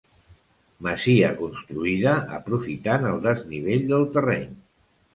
Masia construïda aprofitant el desnivell del terreny.